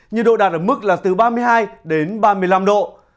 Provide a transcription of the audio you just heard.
nhiệt độ đạt ở mức là từ ba mươi hai đến ba mươi năm độ